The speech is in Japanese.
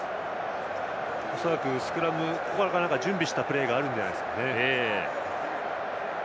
恐らくスクラムで準備したプレーがあるんじゃないですかね。